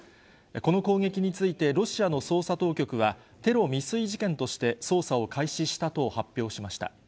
この攻撃について、ロシアの捜査当局はテロ未遂事件として捜査を開始したと発表しました。